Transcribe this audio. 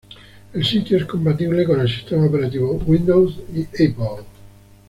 El sitio es compatible con el sistema operativo Windows y Apple.